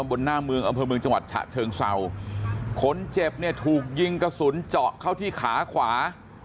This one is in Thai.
บนหน้าเมืองอำเภอเมืองจังหวัดฉะเชิงเศร้าคนเจ็บเนี่ยถูกยิงกระสุนเจาะเข้าที่ขาขวา